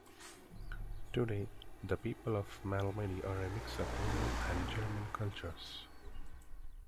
Today, the people of Malmedy are a mix of Roman and German cultures.